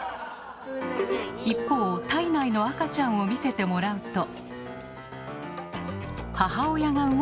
一方胎内の赤ちゃんを見せてもらうと。